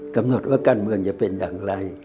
กำหนดว่าการเมืองจะเป็นอย่างไร